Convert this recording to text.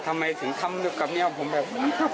ทำไมถึงคำนึกกับเนี่ยเอาผมแบบ